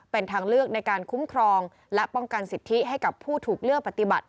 เป็นทางเลือกในการคุ้มครองและป้องกันสิทธิให้กับผู้ถูกเลือกปฏิบัติ